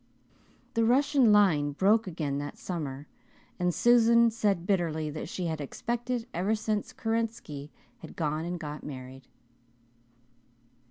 The Russian line broke again that summer and Susan said bitterly that she had expected it ever since Kerensky had gone and got married.